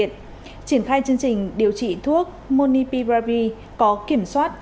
triển khai chương trình điều trị thuốc monipirvi có kiểm soát